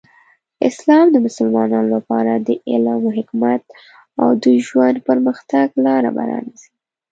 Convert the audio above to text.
اسلام د مسلمانانو لپاره د علم، حکمت، او د ژوند پرمختګ لاره پرانیزي.